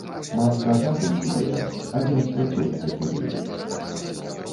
Мамка тату згубіла, а дзядзька цётку згубіў!